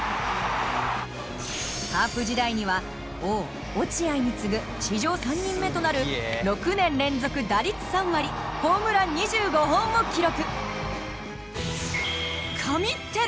カープ時代には王落合に次ぐ史上３人目となる６年連続打率３割ホームラン２５本を記録！